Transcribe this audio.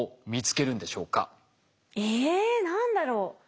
え何だろう？